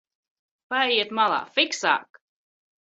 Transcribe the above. Paejiet malā, fiksāk!